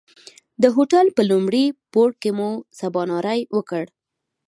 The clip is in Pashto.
د هوټل په لومړي پوړ کې مو سباناری وکړ.